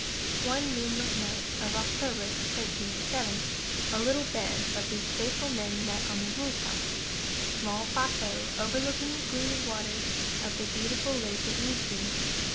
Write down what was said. One moonlight night of October, 1307, a little band of these faithful men met on the Rlitli, a small plateau over looking the gleaming waters of the beautiful Lake of Lucerne.